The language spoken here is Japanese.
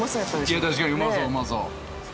いや確かにうまそううまそう。